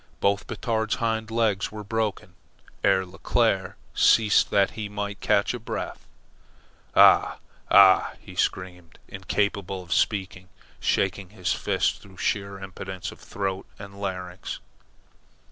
Both Batard's hind legs were broken ere Leclere ceased that he might catch breath. "A a ah! A a ah!" he screamed, incapable of speech, shaking his fist, through sheer impotence of throat and larynx.